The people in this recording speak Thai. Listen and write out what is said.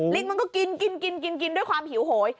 ลิงมันก็กินกินด้วยความหิวโหย